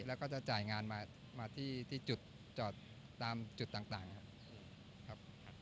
แล้วก็จะจ่ายงานมาที่จุดจอดตามจุดต่างครับ